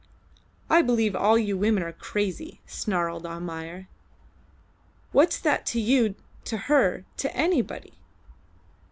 "I believe all you women are crazy," snarled Almayer. "What's that to you, to her, to anybody?